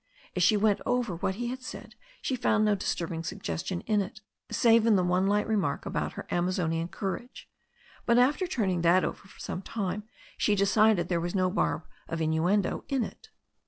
As she went over what he had said she found no dis turbing suggestion in it, save in the one light remark about her Amazonian courage, but after turning that over for some time she decided there was no barb of innuendo in it.